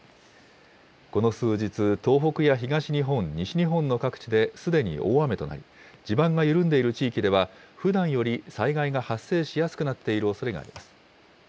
この数日、東北や東日本、西日本の各地ですでに大雨となり、地盤が緩んでいる地域では、ふだんより災害が発生しやすくなっているおそれがあります。